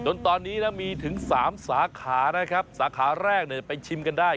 ตอนนี้นะมีถึง๓สาขานะครับสาขาแรกไปชิมกันได้